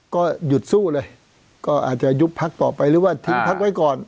ก็หยุดสู้เลยก็อาจจะยุบพักต่อไปหรือว่าทิ้งพักไว้ก่อน